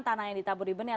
tanah yang ditaburi benih